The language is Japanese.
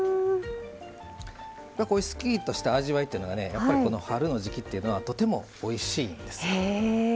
こういうすっきりとした味わいというのがやっぱり春の時季というのはとてもおいしいんです。